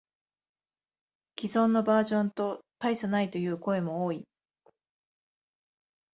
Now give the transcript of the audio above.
既存のバージョンと大差ないという声も多い